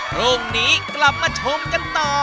พรุ่งนี้กลับมาชมกันต่อ